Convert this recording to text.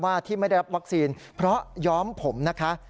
ที่ไม่ได้รับวัคซีนเพราะย้อมผมนะคะ